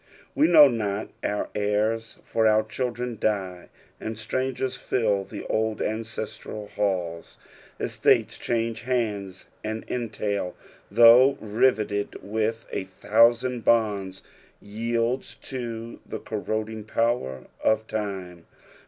We know not our heirs, for our children die, and strangers fill the old ancestral halla ; estates change hands, and entail, though riveted with a thousand bonds, yields to the corroding power of time.